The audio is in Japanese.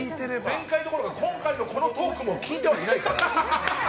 前回どころか今回のトークも聞いてないから。